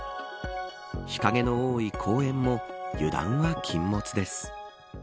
日陰の多い公園も油断は禁物です。